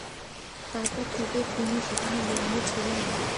তারপর থেকেই তিনি সেখানে বন্দী ছিলেন।